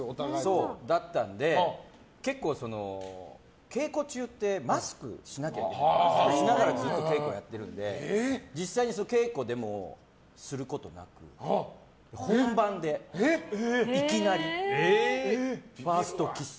そうだったので結構、稽古中ってマスクしながらずっと稽古をやっているので実際に稽古でもすることなく本番でいきなりファーストキス。